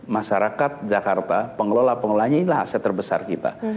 masyarakat jakarta pengelola pengelolanya inilah aset terbesar kita